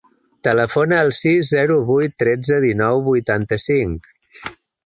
Telefona al sis, zero, vuit, tretze, dinou, vuitanta-cinc.